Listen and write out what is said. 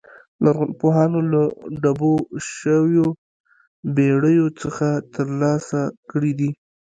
لرغونپوهانو له ډوبو شویو بېړیو څخه ترلاسه کړي دي